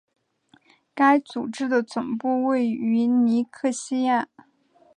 该组织的总部位于尼科西亚。